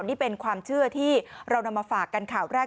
นี่เป็นความเชื่อที่เรานำมาฝากกันข่าวแรก